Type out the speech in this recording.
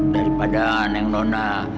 daripada neng nona